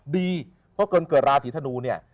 ดีเพราะคนเกิดราศีธนูเนี่ย